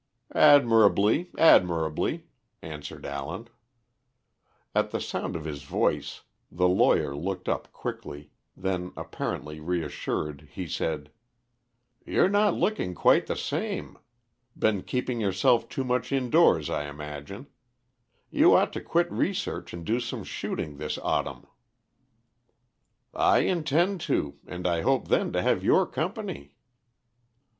"Admirably, admirably," answered Allen. At the sound of his voice the lawyer looked up quickly, then apparently reassured he said "You're not looking quite the same. Been keeping yourself too much indoors, I imagine. You ought to quit research and do some shooting this autumn." "I intend to, and I hope then to have your company."